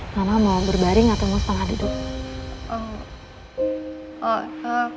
mama mau berbaring atau mau setengah duduk